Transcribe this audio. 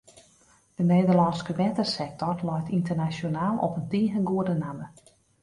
De Nederlânske wettersektor leit ynternasjonaal op in tige goede namme.